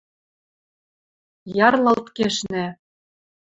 Ярлалт кешнӓ.